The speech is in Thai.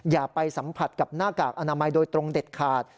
อย่าไปสัมผัสกับหน้ากากอนามัยโดยตรงเด็ดขาด